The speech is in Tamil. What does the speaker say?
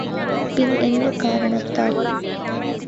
பின் என்ன காரணத்தால்?